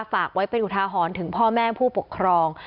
ฝากไว้เป็นอุทาหรณ์ถึงพ่อแม่ผู้ปกครอง